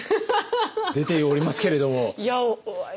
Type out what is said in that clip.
出ておりますけれども。